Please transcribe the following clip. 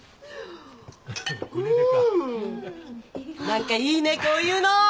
何かいいねこういうの。